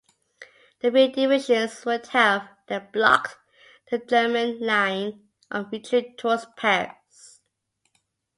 The three divisions would have then blocked the German line of retreat towards Paris.